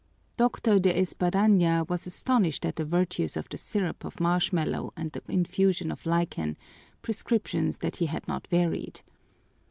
Doctor De Espadaña was astonished at the virtues of the syrup of marshmallow and the infusion of lichen, prescriptions that he had not varied.